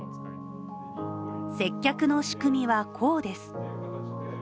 接客の仕組みは、こうです。